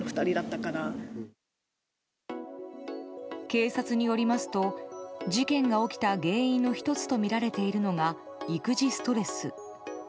警察によりますと事件が起きた原因の１つとみられているのが育児ストレス。